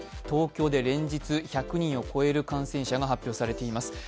東京で連日１００人を超える感染者が発表されています。